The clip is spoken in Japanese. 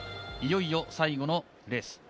いよいよ最後のレース。